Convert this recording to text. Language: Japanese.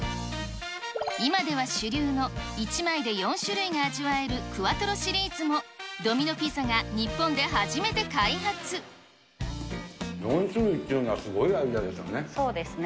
今では主流の１枚で４種類が味わえるクワトロシリーズも、ドミノ４種類っていうのはすごいアそうですね。